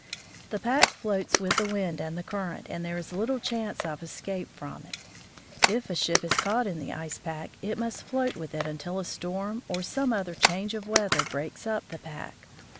The pack floats with the wind and the current, and there is little chance of escape from it. If a ship is caught in the ice pack, it must float with it until a storm or some other change of weather breaks up the pack.